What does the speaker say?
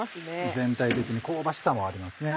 全体的に香ばしさもありますね。